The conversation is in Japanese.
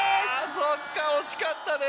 そうか惜しかったね。